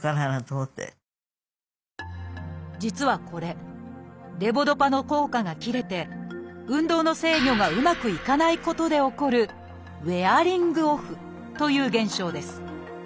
実はこれレボドパの効果が切れて運動の制御がうまくいかないことで起こる「ウェアリングオフ」という現象です。